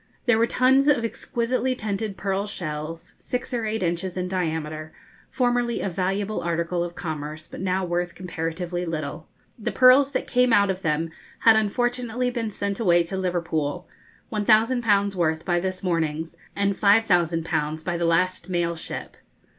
There were tons of exquisitely tinted pearl shells, six or eight inches in diameter, formerly a valuable article of commerce, but now worth comparatively little. The pearls that came out of them had unfortunately been sent away to Liverpool 1,000_l_. worth by this morning's, and 5,000_l_ by the last mail ship.